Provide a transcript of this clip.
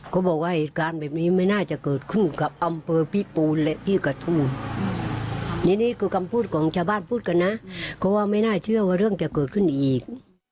บอกว่าเหตุการณ์แบบนี้ไม่น่าจะเกิดขึ้นกับอำเภอพิปูนและที่กระทุ่มอันนี้นี่คือคำพูดของชาวบ้านพูดกันนะเพราะว่าไม่น่าเชื่อว่าเรื่องจะเกิดขึ้นอีก